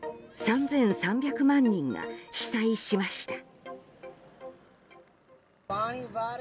３３００万人が被災しました。